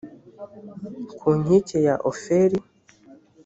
ku nkike ya ofeli